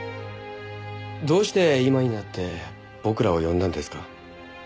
どうして今になって僕らを呼んだんですか？